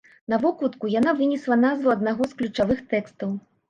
На вокладку яна вынесла назву аднаго з ключавых тэкстаў.